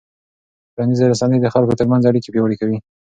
ټولنیزې رسنۍ د خلکو ترمنځ اړیکې پیاوړې کوي.